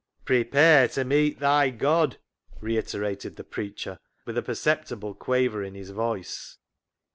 " Prepare to meet thy God," reiterated the preacher with a perceptible quaver in his voice.